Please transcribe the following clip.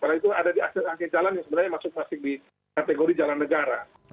karena itu ada di akses jalan yang sebenarnya masuk masih di kategori jalan negara